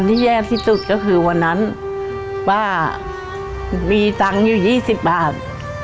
แย่ที่สุดก็คือวันนั้นป้ามีตังค์อยู่๒๐บาท